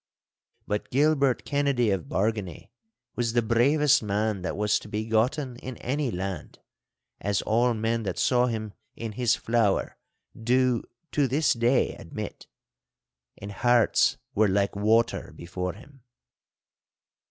But Gilbert Kennedy of Bargany was the bravest man that was to be gotten in any land, as all men that saw him in his flower do to this day admit. And hearts were like water before him.